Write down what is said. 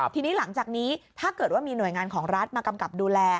ทีนี้หลังจากนี้ถ้าเกิดว่ามีหน่วยงานของรัฐมากำกับดูแล